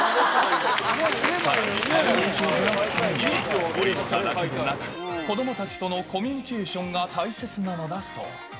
最後に食べ残しを減らすためにはおいしさだけでなく、子どもたちとのコミュニケーションが大切なのだそう。